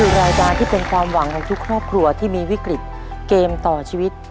นี้เป็นรายวัยที่เป็นความหวังมีตรงดุข้อครัวที่มีวิกฤตเกมต่อชีวิต